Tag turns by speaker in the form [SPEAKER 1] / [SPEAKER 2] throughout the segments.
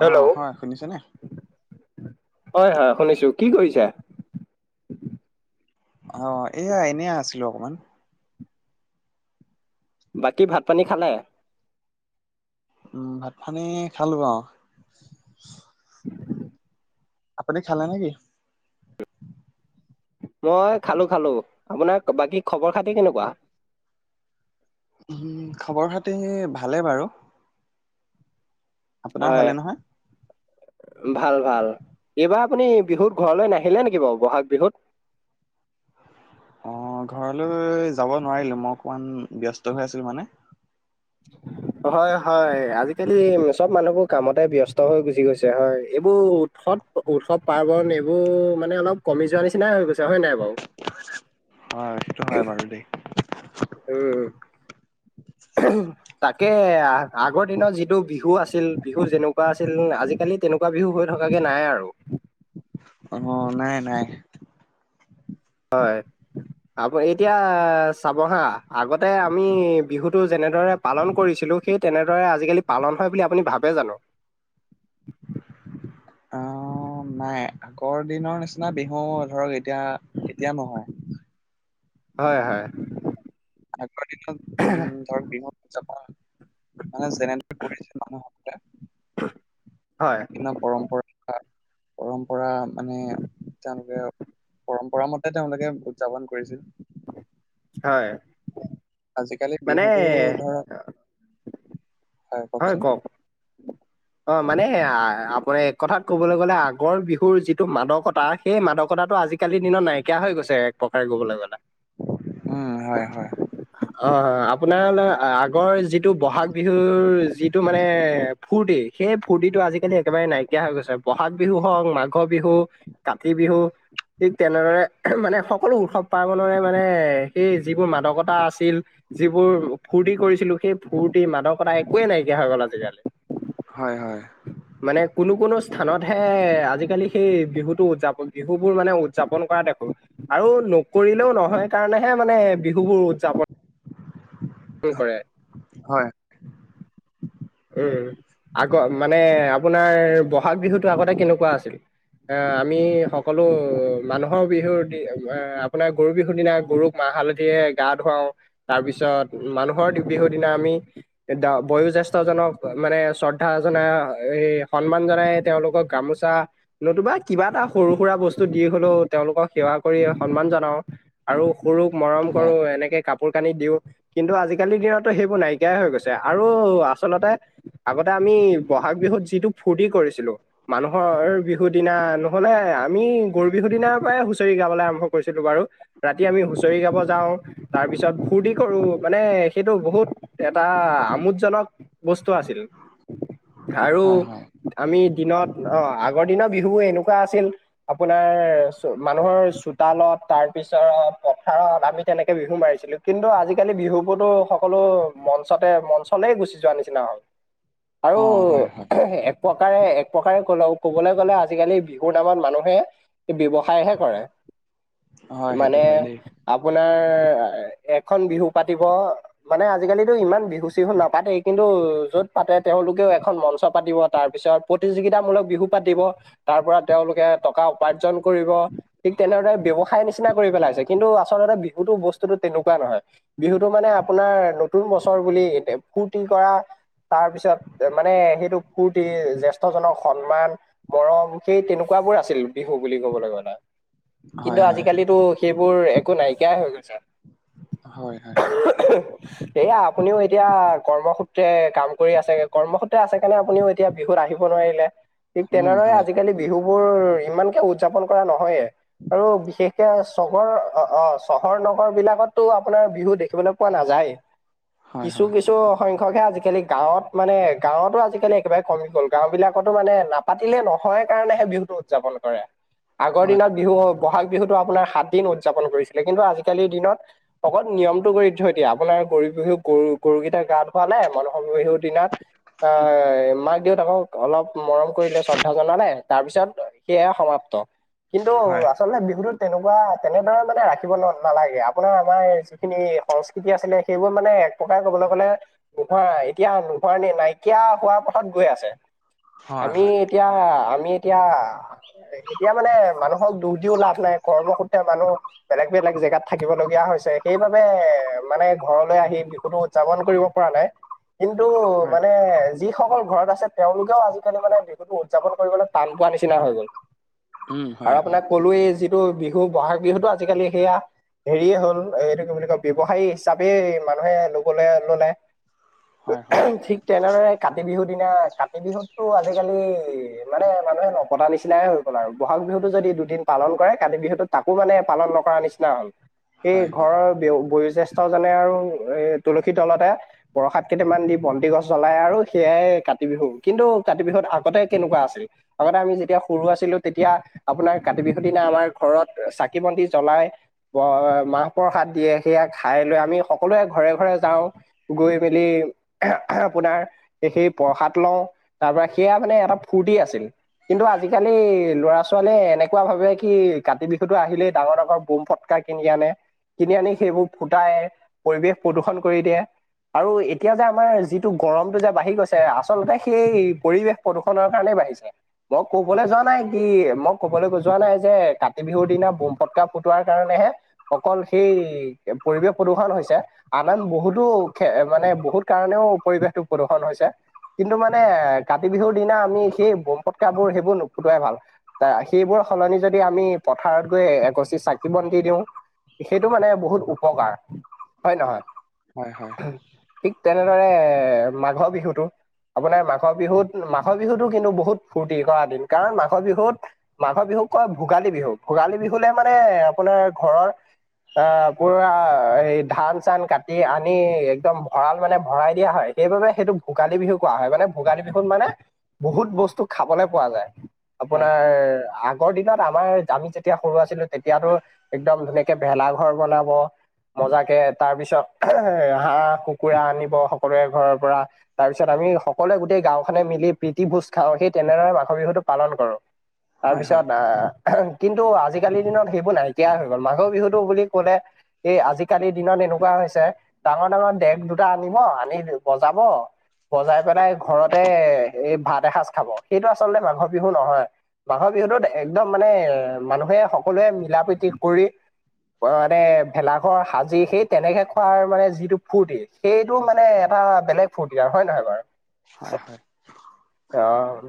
[SPEAKER 1] Hello
[SPEAKER 2] অ' হয় শুনিছানে?
[SPEAKER 1] হয় হয় শুনিছো। কি কৰিছা?
[SPEAKER 2] অ' এয়া এনে আছিলো অকমান।
[SPEAKER 1] বাকী ভাত পানী খালে?
[SPEAKER 2] উম, ভাত পানি খালোঁ আৰু। আপুনি খালে নে কি?
[SPEAKER 1] মই খালো খালো, আপোনাৰ বাকী খবৰ খাতি কেনেকুৱা?
[SPEAKER 2] উম খবৰ খাতি ভালে বাৰু। আপোনাৰ
[SPEAKER 1] হয়।
[SPEAKER 2] ভালে নহয়
[SPEAKER 1] ভাল ভাল এইবাৰ আপুনি বিহুত ঘৰলৈ নাহিলে নেকি বাৰু ব'হাগ বিহুত।
[SPEAKER 2] অ' ঘৰলৈ যাব নোৱাৰিলো মই অকমান ব্যস্ত হৈ আছিলো মানে। [inaudible]
[SPEAKER 1] হয় হয়, আজিকালি চব মানুহবোৰ কামতে ব্যস্ত হৈ গুচি গৈছে হয় এইবোৰ উৎসৱ পাৰ্বণ এইবোৰ মানে অলপ কমি যোৱা নিচিনাই হৈ গৈছে হয় নাই বাৰু?
[SPEAKER 2] হয় সেইটো হয় বাৰু দেই।
[SPEAKER 1] উম। তাকে আগৰ দিনত যিটো বিহু আছিল বিহু যেনেকুৱা আছিল আজিকালিত তেনেকুৱা বিহু হৈ থকাগে নাই আৰু।
[SPEAKER 2] অ', নাই নাই। [inaudible]
[SPEAKER 1] অ' এতিয়া চাব হা আগতে আমি বিহুতটো যেনেদৰে পালন কৰিছিলোঁ, সেই তেনেদৰে আজিকালি পালন হয় বুলি আপুনি ভাবে জানো?
[SPEAKER 2] অ' নাই। আগৰ দিনৰ নিচিনা বিহু ধৰক, এতিয়া এতিয়া নহয়।
[SPEAKER 1] হয় হয়।
[SPEAKER 2] আগৰ দিনত উম ধৰক বিহুত উতযাপন মানে যেনে কৰিছে মানুহসকলে
[SPEAKER 1] হয়
[SPEAKER 2] বিভিন্ন পৰম্পৰা পৰম্পৰা মানে তেওঁলোকে পৰম্পৰা মতে তেওঁলোকে উদযাপন কৰিছিল।
[SPEAKER 1] হয়।
[SPEAKER 2] আজিকালি
[SPEAKER 1] মানে
[SPEAKER 2] বিহুতো ধৰক
[SPEAKER 1] হয়, কওঁক।
[SPEAKER 2] [inaudible]
[SPEAKER 1] অ', মানে আপোনাৰ এক কথাত ক'বলৈ গ'লে আগৰ বিহুৰ যিটো মাদকতা সেই মাদকতাটো আজিকালিৰ দিনত নাইকিয়া হৈ গৈছে এক প্ৰকাৰে ক'বলৈ গলে।
[SPEAKER 2] উম, হয় হয়।
[SPEAKER 1] অ', আপোনাৰ আগৰ যিটো বহাগ বিহুৰ যিটো মানে ফূৰ্তি সেই ফূৰ্তিটো আজিকালি একেবাৰে নাইকিয়া হৈ গৈছে, বহাগ বিহু হওক মাগ মাঘ বিহু, কাতি বিহু ঠিক তেনেদৰে মানে সক সকলো উৎসৱ পাৰ্বণৰে মানে সেই যিবোৰ মাদকতা আছিল। যিবোৰ ফূৰ্তি কৰিছিলো, সেই ফূৰ্তি, মাদকতা একোৱেই নাইকিয়া হৈ গ'ল আজিকালি।
[SPEAKER 2] হয় হয়।
[SPEAKER 1] মানে কোনো কোনো স্থানত হে আজিকালি সেই বিহুতটো উদযাপন বিহু বোৰ মানে উ উদযাপন কৰা দেখো আৰু নকৰিলেও নহয় কাৰণেহে মানে বিহু বোৰ উদযাপন পন কৰে।
[SPEAKER 2] হয়।
[SPEAKER 1] উম, আগৰ মানে আপোনাৰ বহাগ বিহুতটো আগতে কেনেকুৱা আছিল। এ আমি সকলো মানুহৰ বিহুত আপোনাৰ গৰু বিহুৰ দিনা গৰুক মাহ হালধিৰে গা ধুৱাও। তাৰপিছত মানুহৰ বিহুৰ দিনা আমি বয়োজ্যেষ্ঠজনক মানে শ্ৰদ্ধা জনা এই সন্মান জনাই তেওঁলোকক গামোচা নতুবা কিবা এটা সৰু সুৰা বস্তু দি হলেও তেওঁলোকক সেৱা কৰি সন্মান জনাও। আৰু সৰুক মৰম কৰো
[SPEAKER 2] হয়
[SPEAKER 1] এনেকে কাপোৰ কানি দিও, কিন্তু আজিকালিৰ দিনততো সেইবোৰ নাইকিয়াই হৈ গৈছে আৰু আচলতে, আগতে আমি বহাগ বিহুত যিটো ফূৰ্তি কৰিছিলো। মানুহৰ বিহু দিনা ন'হলে, আমি গৰু বিহু দিনাৰ পৰাই হুঁচৰি গাবলৈ আৰম্ভ কৰিছিলো বাৰু। ৰাতি আমি হুঁচৰি গাব যাওঁ। তাৰ পিছত ফূৰ্তি কৰো মানে, সেইটো বহুত এটা আমোদজনক বস্তু আছিল আৰু
[SPEAKER 2] হয় হয়
[SPEAKER 1] আমি দিনত অ আগৰ দিনৰ বিহু এনেকুৱা আছিল আপোনাৰ মানুহৰ চোতালত তাৰপিছত পথাৰত আমি তেনেকৈ বিহু মাৰিছিলোঁ, কিন্তু আজিকালি বিহুবোৰতো সকলো মঞ্চতে মঞ্চলেই গুচি যোৱা নিচিনা হ'ল। আৰু
[SPEAKER 2] অ হয় হয়
[SPEAKER 1] প্ৰকাৰে এক প্ৰকাৰে কলে কবলৈ গ'লে আজিকালি বিহুৰ নামত মানুহে ব্যৱসায় সাইহে কৰে।
[SPEAKER 2] হয়
[SPEAKER 1] মানে
[SPEAKER 2] সেইটো হয় দেই
[SPEAKER 1] আপোনাৰ এখন বিহু পাতিব। মানে, আজিকালিতো ইমান বিহু চিহু নাপাতেই। কিন্তু যত পাতে তেওঁলোকেও এখন মঞ্চ পাতিব, তাৰ পিছত প্ৰতিযোগিতামূলক বিহু পাতিব। তাৰ পৰা তেওঁলোকে টকা উপাৰ্জন কৰিব। ঠিক তেনেদৰে ব্যৱসায় নিচিনা কৰি পেলাইছে। কিন্তু আচলতে বিহুতো বস্তুতো তেনেকুৱা নহয়। বিহুটো মানে আপোনাৰ নতুন বছৰ বুলি এয়া ফূৰ্তি কৰা তাৰ পিছত মানে, সেইটো ফূৰ্তি জ্যেষ্ঠজনক সন্মান মৰম সেই তেনেকুৱা বোৰ আছিল বিহু বুলি ক'বলৈ গ'লে।
[SPEAKER 2] হয়
[SPEAKER 1] কিন্তু
[SPEAKER 2] হয়
[SPEAKER 1] আজিকালিতো সেইবোৰ একো নাইকিয়াই হৈ গৈছে।
[SPEAKER 2] হয় হয়।
[SPEAKER 1] এইয়া আপুনিও এতিয়া কৰ্মসূত্ৰে কাম কৰি আছে। কৰ্মসূত্ৰে আছে কাৰণে আপুনিও এতিয়া বিহুত আহিব নোৱাৰিলে ঠিক
[SPEAKER 2] উম
[SPEAKER 1] তেনেদৰে
[SPEAKER 2] হয়
[SPEAKER 1] আজিকালি বিহু বোৰ ইমানকে উদযাপন কৰা নহয়ে। আৰু বিশেষকে চহৰ অ', অ' চহৰ নগৰ বিলাকততো আপোনাৰ বিহু দেখিবলৈ পোৱা নাযায়।
[SPEAKER 2] হয়
[SPEAKER 1] কিছু
[SPEAKER 2] হয়
[SPEAKER 1] কিছু কিছু সংখ্যকহে আজিকালি গাঁৱত মানে, গাঁৱতো আজিকালি একেবাৰে কমি গ'ল গাঁও বিলাকতো মানে না পাতিলে নহয় কাৰণেহে বিহুতটো উদযাপন কৰে। আগৰ
[SPEAKER 2] হয়
[SPEAKER 1] দিনত বিহু বহাগ বিহুতটো আপোনাৰ সাত দিন উদযাপন কৰিছিলে কিন্তু আজিকালিৰ দিনত অকল নিয়মতটো কৰি থৈ দিয়ে আপোনাৰ গৰু বিহু গৰু গৰুকেইটাক গা ধোৱা নাই মানসৰ বিহুৰ দিনাত আহ মাক দেউতাকক অলপ মৰম কৰিলে শ্ৰদ্ধা জনোৱা নাই তাৰপিছত সেয়ে সমাপ্ত। কিন্তু
[SPEAKER 2] হয়
[SPEAKER 1] আচলতে বিহুতোত তেনেকুৱা তেনেদৰে মানে ৰাখিব নালাগে আপোনাৰ আমাৰ যিখিনি সংস্কৃতি আছিলে সেইবোৰ মানে প্ৰকাৰে কবলৈ গলে নোহোৱা এতিয়া নোহোৱা ন নাইকিয়া হোৱাৰ পথত গৈ আছে।
[SPEAKER 2] হয়
[SPEAKER 1] আমি
[SPEAKER 2] হয়
[SPEAKER 1] এতিয়া আমি এতিয়া এতিয়া মানে মানুহক দুখ দিও লাভ নাই। কৰ্মসূত্ৰে মানুহ বেলেগ বেলেগ জেগাত থাকিব লগীয়া হৈছে। সেইবাবে মানে ঘৰলৈ আহি কোনো উদযাপন কৰিব পৰা নাই। কিন্তু
[SPEAKER 2] হয়
[SPEAKER 1] মানে যিসকল ঘৰত আছে তেওঁলোকেও আজিকালি মানে বিহুতটো উদযাপন কৰিবলৈ টান পোৱা নিচিনা হৈ গ'ল।
[SPEAKER 2] উম হয়
[SPEAKER 1] আৰু
[SPEAKER 2] হয়
[SPEAKER 1] আপোনাক কলোয়েই যিটো বিহু বহাগ বিহুটো আজিকালি সেয়া হেৰিয়ে হ'ল এইটো কি বুলি কয় ব্যৱসায়ী হিচাপে মানুহে লবলে ললে
[SPEAKER 2] হয় হয়
[SPEAKER 1] ঠিক তেনেদৰে কাতি বিহুৰ দিনা কাতি বিহুতো, আজিকালি মানে মানুহে নপটা নিচিনাই হৈছে। বহাগ বিহুটো যদি দুদিন পালন কৰে, কাতি বিহুতো তাকো মানে পালন নকৰাৰ নিচিনা হ'ল। এই
[SPEAKER 2] হয় হয়
[SPEAKER 1] ঘৰৰ বয়োজ্যেষ্ঠজনে আৰু এ তুলসী তলতে বৰসাত কেইটামান দি বন্তি গছ জ্বলাই আৰু সেয়াই কাতি বিহু কিন্তু কাতি বিহুত আগতে কেনেকুৱা আছিল আগতে আমি যেতিয়া সৰু আছিলো তেতিয়া আপোনাৰ কাতি বিহুৰ দিনা আমাৰ ঘৰত চাকি বন্তি জ্বলাই। মাহ প্ৰসাদ দিয়ে সেয়া খাই লৈ আমি সকলোৱে ঘৰে ঘৰে যাওঁ গৈ মেলি আপোনাৰ সেই প্ৰসাদ লওঁ তাৰ পৰা সেয়া মানে এটা ফূৰ্তি আছিল। কিন্তু আজিকালি ল'ৰা ছোৱালীয়ে এনেকুৱা ভাবে কি কাতি বিহুতো আহিলেই ডাঙৰ ডাঙৰ বোম ফট ফুটুকা কিনি আনে কিনি আনি সেইবোৰ ফুটাই পৰিৱেশ প্ৰদূষণ কৰি দিয়ে আৰু এতিয়া যে আমাৰ যিটো গৰমটো যে বাঢ়ি গৈছে আচলতে সেই পৰিৱেশ প্ৰদূষণৰ কাৰণেই বাঢ়িছে মই ক'বলৈ যোৱা নাই কি মোক ক'বলৈ যোৱা নাই যে কাতি বিহুৰ দিনা বোম ফটকা ফুটোৱাৰ কাৰণেহে অকল সেই পৰিৱেশ প্ৰদূষণ হৈছে। আমাৰ বহুতো মানে বহুত কাৰণেও পৰিৱেশটো প্ৰদূষণ হৈছে। কিন্তু মানে কাতি বিহুৰ দিনা আমি সেই বম ফটকাবোৰ সেইবোৰ নুফুটোৱাই ভাল। সেইবোৰ সলনি যদি আমি পথাৰত গৈ এগছি চাকি বন্তি দিওঁ সেইটো মানে বহুত উপকাৰ হয় নহয়।
[SPEAKER 2] হয় হয়।
[SPEAKER 1] ঠিক তেনেদৰে মাঘৰ বিহুটোত আপোনাৰ মাঘৰ বিহুত মাঘ বিহুতো কিন্তু বহুত ফূুৰ্তি কৰা দিন কাৰণ মাঘৰ বিহুত মাঘৰ বিহুক কয় ভোগালী বিহু। ভোগালী বিহুলে মানে আপোনাৰ ঘৰৰ অ, পুৰা এই ধান চান কাটি এ আনি একদম ভঁৰাল মানে ভৰাই দিয়া হয়, সেইবাবে সেইটোক ভোগালী বিহু কোৱা হয়। মানে ভোগালী বিহুত মানে, বহুত বস্তু খাবলে পোৱা যায়
[SPEAKER 2] হয়
[SPEAKER 1] আপোনাৰ আগ আগৰ দিনত আমাৰ, আমি যেতিয়া সৰু আছিলো তেতিয়াতো একদম ধুনীয়াকে ভেলা ঘৰ বনাব। মজাকে তাৰ পিছত
[SPEAKER 2] [inaudible]
[SPEAKER 1] হাঁহ, কুকুৰা আনিব সকলোৱে ঘৰৰ পৰা তাৰ পিছত আমি সকলোৱে গোটেই গাওখনে মিলি প্ৰীতি ভোজ খাওঁ, সেই তেনেদৰে মাঘৰ বিহুটো পালন কৰোঁ।
[SPEAKER 2] [inaudible]
[SPEAKER 1] তাৰপিছত আহ কিন্তু আজিকালিৰ দিনত সেইবোৰ নাইকিয়া হৈ গ'ল। মাঘৰ বিহুটো বুলি কলে, এই আজিকালিৰ দিনত এনেকুৱা হৈছে ডাঙৰ ডাঙৰ দেক দুটাত উম আনি দিও বজাব বজাই। মাঘৰ বিহুটোত একদম মানে মানুহে সকলোৱে মিলা প্ৰতি কৰি। অ মানে ভেলাঘৰ সাজি সেই তেনেকে খোৱাৰ মানে যিটো ফূৰ্তি, সেইটো মানে এটা বেলেগ ফূৰ্তি আৰু হয নে নহয় বাৰু?
[SPEAKER 2] হয় হয়।
[SPEAKER 1] অ,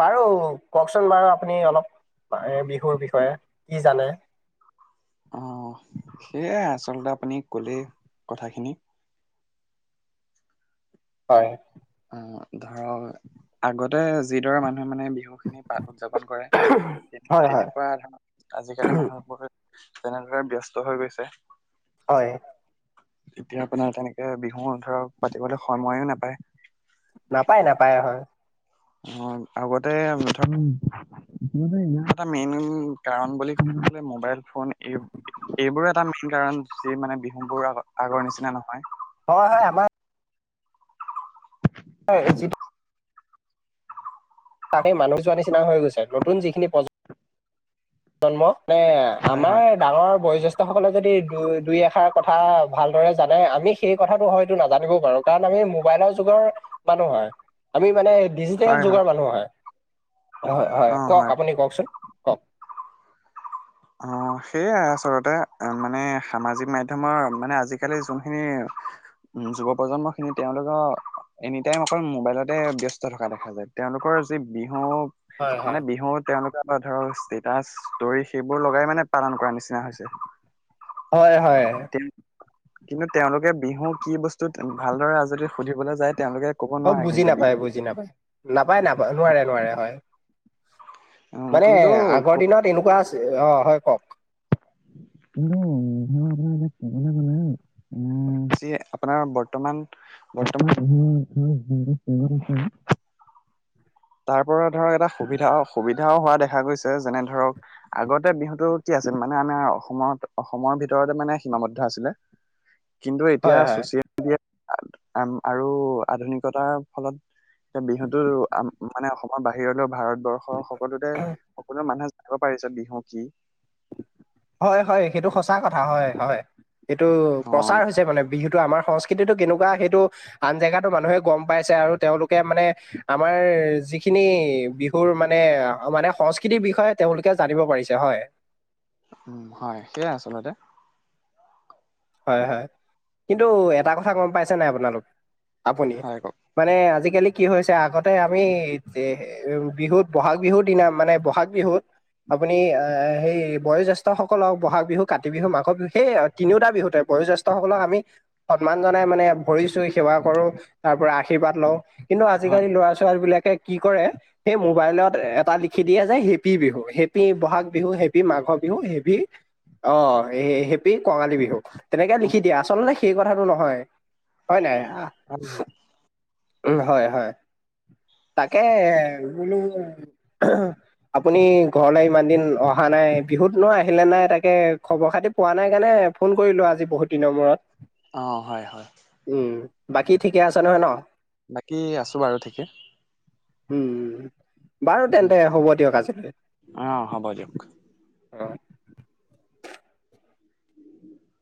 [SPEAKER 1] বাৰু কওকচোন বাৰু আপুনি অলপ। এ, বিহুৰ বিষয়ে কি জানে?
[SPEAKER 2] অ সেয়াই আচলতে আপুনি ক'লেই কথাখিনি।
[SPEAKER 1] হয়
[SPEAKER 2] অ, ধৰক আগতে যিদৰে মানুহে মানে বিহুখিনি পাতি উদযাপন কৰে।
[SPEAKER 1] হয়, হয়,
[SPEAKER 2] তেনেকুৱা ধৰক আজিকালি মানুহবোৰ যেনেদৰে ব্যস্ত হৈ গৈছে।
[SPEAKER 1] হয়।
[SPEAKER 2] এতিয়া আপোনাৰ তেনেকেবিহুও ধৰক পাতিবলে সময়ো নাপায়।
[SPEAKER 1] নাপায় নাপায় হয়।
[SPEAKER 2] অ, আগতে মুথত ইও এটা মেইন কাৰণ বুলি কব হলে মোবাইল ফোন এই এইবোৰ এটা মেইন কাৰণ যি মানে বিহুবোৰআগৰ নিচিনা নহয়।
[SPEAKER 1] হয় হয় আমাৰ। হয়, যিটো। তাকেই মানুহ যোৱা নিচিনা হৈ গৈছে নতুন যিখিনি প্ৰজে জন্ম মানে
[SPEAKER 2] হয়
[SPEAKER 1] আমাৰ
[SPEAKER 2] হয়
[SPEAKER 1] ডাঙৰ বয়োজ্যেষ্ঠ। সকলে যদি দুই এষাৰ কথা ভালদৰে জানে, আমি সেই কথাটো হয়তো নাজানিবও পাৰো। কাৰণ আমি মোবাইলৰ যুগৰ মানুহ হয় আমি মানে, ডিজিটেল যুগৰ মানুহ হয়, হয় হয় কওক আপুনি কওকচোন কওক।
[SPEAKER 2] অ, সেইয়াই আচলতে মানে সামাজিক মাধ্যমৰ মানে আজিকালি যোনখিনি, উম, যুৱ প্ৰজন্মখিনি তেওঁলোকৰ এনিটাইম অকল মোবাইলতে ব্যস্ত থকা দেখা যায়, তেওঁলোকৰ যি বিহু,
[SPEAKER 1] হয়, হয়।
[SPEAKER 2] মানে বিহু তেওঁলোকে ধৰক ষ্টেটাচ দি, সেইবোৰ লগাই মানে পালন কৰা নিচিনা হৈছে।
[SPEAKER 1] হয় হয়।
[SPEAKER 2] তে কিন্তু তেওঁলোকে বিহু কি বস্তু, ভালদৰে যদি সুধিবলৈ যায় তেওঁলোকে, ক'ব
[SPEAKER 1] অ,
[SPEAKER 2] নোৱাৰে
[SPEAKER 1] বুজি
[SPEAKER 2] কিন্তু
[SPEAKER 1] নাপায়,
[SPEAKER 2] বিহু,
[SPEAKER 1] বুজি নাপায়, নাপায় নাপায়নোৱাৰে নোৱাৰে হয়।
[SPEAKER 2] উম
[SPEAKER 1] মানে
[SPEAKER 2] কিন্তু
[SPEAKER 1] আগৰ দিনত এনেকুৱা আছিল, অ হয় কওক,
[SPEAKER 2] [unintelligible] উম, চে আপোনাৰ বৰ্তমান বৰ্তমান [inaudible] তাৰ পৰা ধৰক এটা সুবিধা সুবিধাও হোৱা দেখা গৈছে যেনে ধৰক আগতে বিহুটো কি আছিল মানে আনে অসমত অসমৰ ভিতৰতে মানে সীমাবদ্ধ আছিলে। কিন্তু এতিয়া
[SPEAKER 1] হয়, হয়।
[SPEAKER 2] চচিয়েল [unintelligible] আৰু আধুনিকতাৰ ফলত এতিয়া বিহুতো মানে অসমৰ বাহিৰলৈ ভাৰতবৰ্ষৰ সকলোতে সকলো মানুহে জানিব পাৰিছে বিহু কি।
[SPEAKER 1] হয় হয় সেইটো সঁচা কথা হয় হয় এইটো
[SPEAKER 2] অ
[SPEAKER 1] প্ৰচাৰ হৈছে মানে। বিহুটো আমাৰ সংস্কৃতিটো কেনেকুৱা সেইটো আন জেগাতো মানুহে গম পাইছে আৰু তেওঁলোকে মানে আমাৰ যিখিনি বিহু তোৰ মানে মানে সংস্কৃতিৰ বিষয়ে তেওঁলোকে জানিব পাৰিছে হয়।
[SPEAKER 2] উম, হয় সেইয়াই আচলতে।
[SPEAKER 1] হয়, হয়, কিন্তু এটা কথা গম পাইছে নাই আপোনালোক আপুনি
[SPEAKER 2] হয় কওক
[SPEAKER 1] মানে আজিকালি কি হৈছে আগতে আমি এ উম, বিহুত বহাগ বিহুৰ দিনা মানে ব'হাগ বিহুত আপুনি এ হেই বয়োজেষ্ঠ সকলক ব'হাগ বিহু কাতি বিহু মাঘৰ বিহু সেই তিনিওটা বিহুত বয়োজেষ্ঠসকলক আমি সন্মান জনাই মানে ভৰি চুই সেৱা কৰো তাৰ পৰা আশীৰ্বাদ লওঁ। কিন্তু
[SPEAKER 2] হয়
[SPEAKER 1] আজিকালি লৰা ছোৱালী বিলাকে কি কৰে সেই মোবাইলত এটা লিখি দিয়ে যে happy Bihu happy Bohag Bihu happy মাঘৰ বিহু হেপি অ', হেপী কঙালী বিহু তেনেকে লিখি দিয়া আচলতে সেই কথাটো নহয়। হয় নাই?
[SPEAKER 2] হয়।
[SPEAKER 1] উম, হয় হয় তাকে বোলো আপুনি ঘৰলৈ ইমান দিন অহা নাই বিহুত ন আহিলে নাই তাকে খবৰ খাতি পোৱা নাই কাৰণে ফোন কৰিলো আজি বহুত দিনৰ মূৰত।
[SPEAKER 2] অ', হয়, হয়।
[SPEAKER 1] উম, বাকী ঠিকে আছে নহয় ন?
[SPEAKER 2] বাকী আছোঁ বাৰু ঠিকে।
[SPEAKER 1] উম। বাৰু
[SPEAKER 2] উম,
[SPEAKER 1] তেন্তে হ'ব দিয়ক আজিলৈ।
[SPEAKER 2] অ হ'ব দিয়ক
[SPEAKER 1] অ',
[SPEAKER 2] [inaudible]